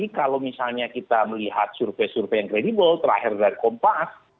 jadi kalau misalnya kita melihat survei survei yang kredibel terakhir dari kompas